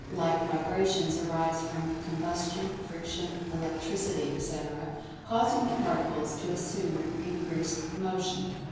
Light vibrations arise from combustion, friction, electricity etc., causing the Particles to assume increased Motion.